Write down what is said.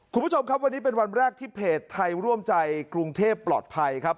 คุณผู้ชมครับวันนี้เป็นวันแรกที่เพจไทยร่วมใจกรุงเทพปลอดภัยครับ